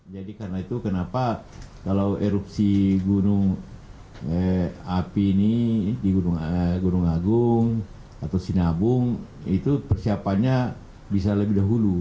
jadi karena itu kenapa kalau erupsi gunung api ini di gunung agung atau sinabung itu persiapannya bisa lebih dahulu